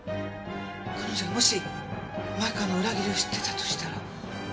彼女がもし前川の裏切りを知ってたとしたら。